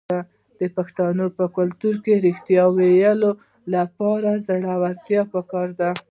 د پښتنو په کلتور کې د ریښتیا ویلو لپاره زړورتیا پکار ده.